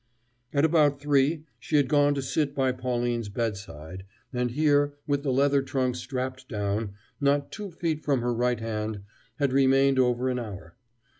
At about three she had gone to sit by Pauline's bedside, and here, with the leather trunk strapped down, not two feet from her right hand, had remained over an hour.